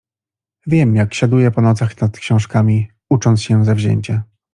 Wiem, jak siaduje po nocach nad książkami, ucząc się zawzięcie.